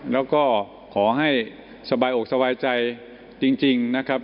แล้วก็ขอให้สบายอกสบายใจจริงนะครับ